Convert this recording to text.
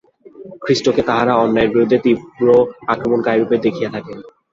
খ্রীষ্টকে তাঁহারা অন্যায়ের বিরুদ্ধে তীব্র আক্রমণকারিরূপে দেখিয়া থাকেন।